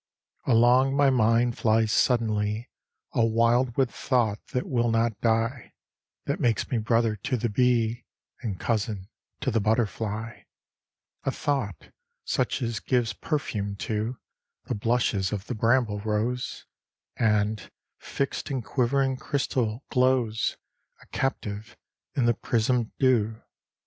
XXIII Along my mind flies suddenly A wildwood thought that will not die, That makes me brother to the bee, And cousin to the butterfly: A thought, such as gives perfume to The blushes of the bramble rose, And, fixed in quivering crystal, glows A captive in the prismed dew.